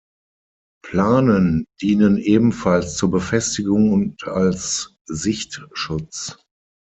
Planen dienen ebenfalls zur Befestigung und als Sichtschutz.